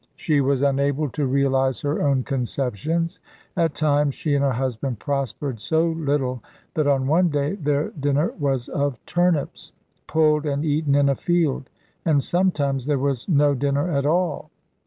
She was unable to realise her own conceptions. At times she and her husband prospered so little that on one day their dinner was of turnips, pulled and eaten in a field, and sometimes there was no dinner at all.